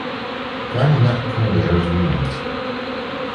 FamilyNet currently airs reruns.